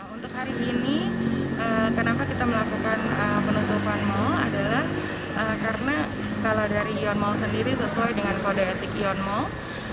untuk hari ini kenapa kita melakukan penutupan mall adalah karena kalau dari yon mall sendiri sesuai dengan kode etik yen mall